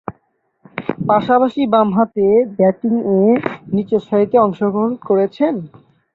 পাশাপাশি বামহাতে ব্যাটিংয়ে নিচেরসারিতে অংশগ্রহণ করেছেন।